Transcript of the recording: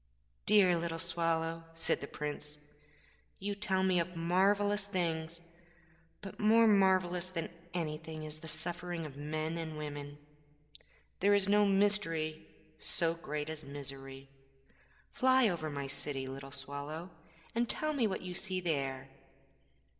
< 8 > 'Dear little Swallow,' said the Prince, 'you tell me of marvellous things, but more marvellous than anything is the suffering of men and of women. There is no Mystery so great as Misery. Fly over my city, little Swallow, and tell me what you see there.'